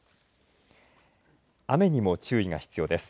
雨にも注意が必要です。